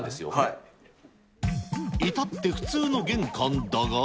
いたって普通の玄関だが。